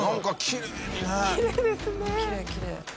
きれいきれい。